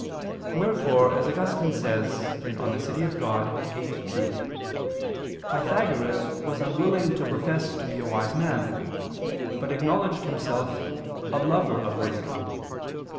Wherefore as Augustine says (De Civ. Dei viii, 2), Pythagoras was unwilling to profess to be a wise man, but acknowledged himself, "a lover of wisdom."